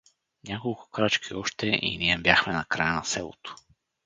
Няколко крачки още, и ние бяхме на края на селото.